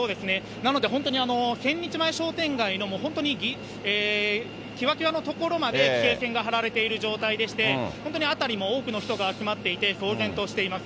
なので、本当に千日前商店街の、本当にきわきわの所まで規制線が張られている状態でして、本当に辺りも多くの人が集まっていて、騒然としています。